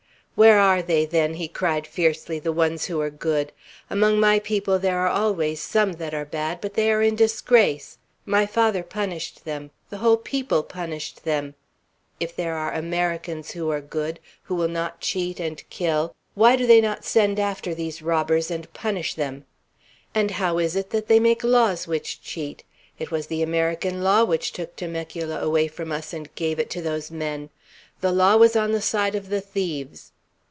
"Where are they, then," he cried fiercely, "the ones who are good? Among my people there are always some that are bad; but they are in disgrace. My father punished them, the whole people punished them. If there are Americans who are good, who will not cheat and kill, why do they not send after these robbers and punish them? And how is it that they make laws which cheat? It was the American law which took Temecula away from us, and gave it to those men! The law was on the side of the thieves.